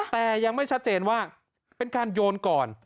แต่ยังไม่ชัดเจนว่าเป็นการโยนก่อน